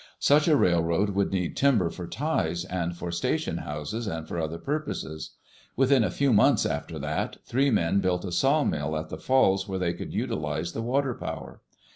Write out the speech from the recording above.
Such a railroad would need timber for ties and for station houses and for other purposes. Within a few months after that, three men built a sawmill at the falls where they could utilize the water power.